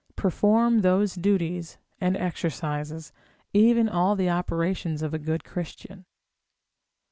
perform those duties and exercises, even all the operations of a good Christian.